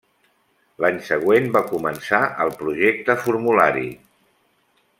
A l'any següent va començar el Projecte Formulari.